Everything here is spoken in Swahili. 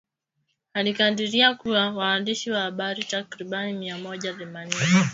alikadiria kuwa waandishi wa habari takribani mia moja themanini